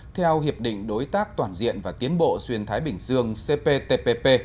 theo hiệp định đối tác toàn diện và tiến bộ xuyên thái bình dương cptpp